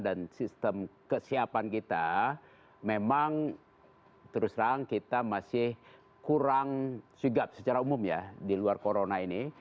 sistem kesiapan kita memang terus terang kita masih kurang sigap secara umum ya di luar corona ini